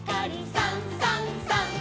「さんさんさん」